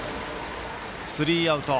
スリーアウト。